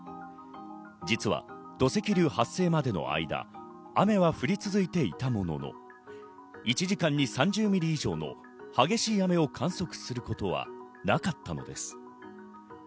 実は土石流発生までの間、雨は降り続いていたものの、１時間に３０ミリ以上の激しい雨を観測することはなかったのです。